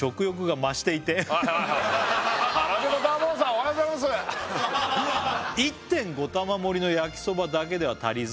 おはようございます「１．５玉盛りの焼きそばだけでは足りず」